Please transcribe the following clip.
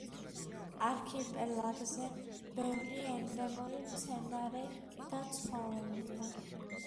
არქიპელაგზე ბევრი ენდემური მცენარე და ცხოველია.